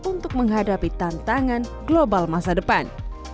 untuk menghadapi tantangan global masa depan